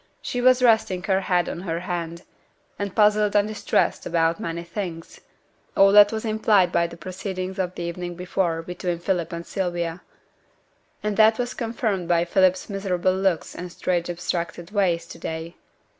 She was resting her head on her hand, and puzzled and distressed about many things all that was implied by the proceedings of the evening before between Philip and Sylvia; and that was confirmed by Philip's miserable looks and strange abstracted ways to day.